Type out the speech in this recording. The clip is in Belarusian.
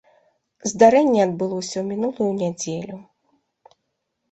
Здарэнне адбылося ў мінулую нядзелю.